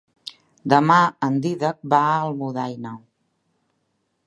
Demà en Dídac va a Almudaina.